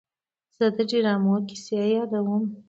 زه د ډرامو کیسې یادوم.